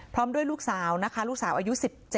พร้อมด้วยลูกสาวนะคะลูกสาวอายุ๑๗